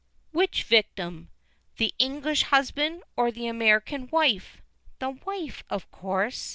"Which victim? The English husband or the American wife?" "The wife, of course.